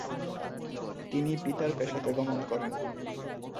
তিনি পিতার পেশাতে গমন করেন।